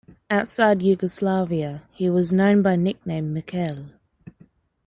Outside Yugoslavia he was known by nickname "Michel".